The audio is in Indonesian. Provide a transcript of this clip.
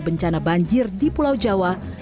bencana banjir di pulau jawa